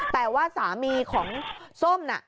แต่ว่าสามีของส้มน่ะ